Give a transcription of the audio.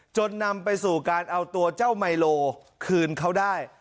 จนนำไปสู่การเอาตัวเจ้าไมโลคืนเขาได้